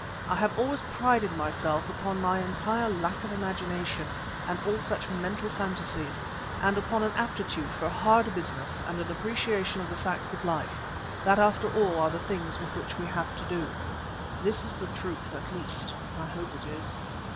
I have always prided myself upon my entire lack of imagination and all such mental phantasies, and upon an aptitude for hard business and an appreciation of the facts of life, that after all are the things with which we have to do. This is the truth; at least, I hope it is.